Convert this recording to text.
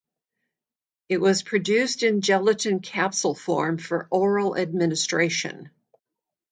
It was produced in gelatin capsule form for oral administration.